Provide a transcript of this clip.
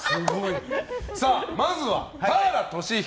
まずは田原俊彦